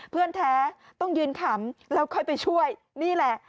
แท้ต้องยืนขำแล้วค่อยไปช่วยนี่แหละ